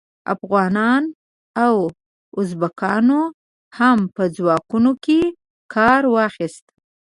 افغانانو او ازبکانو هم په ځواکونو کې کار واخیست.